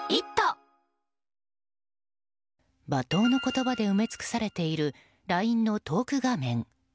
罵倒の言葉で埋め尽くされているＬＩＮＥのトーク画面。